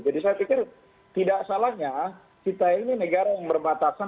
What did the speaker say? saya pikir tidak salahnya kita ini negara yang berbatasan